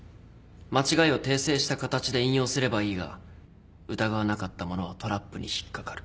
間違いを訂正した形で引用すればいいが疑わなかった者はトラップに引っ掛かる。